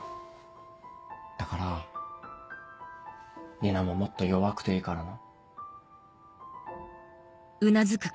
だから里奈ももっと弱くていいからな。